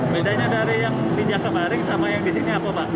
bedanya dari yang di jaka baring sama yang di sini apa pak